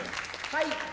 はい。